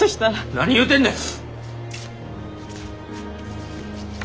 何言うてんねん！